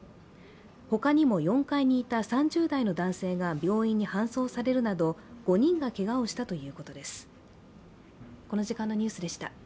他にも４階にいた３０代の男性が病院に搬送されるなど５人がけがをしたということです。